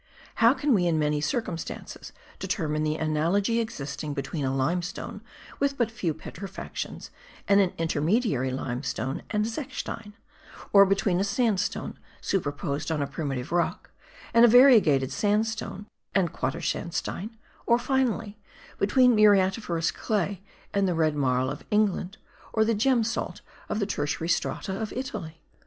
How can we in many circumstances determine the analogy existing between a limestone with but few petrifactions and an intermediary limestone and zechstein, or between a sandstone superposed on a primitive rock and a variegated sandstone and quadersandstein, or finally, between muriatiferous clay and the red marl of England, or the gem salt of the tertiary strata of Italy?